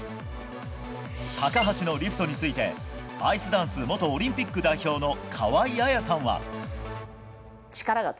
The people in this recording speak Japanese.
高橋のリフトについてアイスダンス元オリンピック代表の河合彩さんは。